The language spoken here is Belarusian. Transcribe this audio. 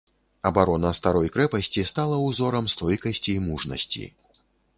Абарона старой крэпасці стала ўзорам стойкасці і мужнасці.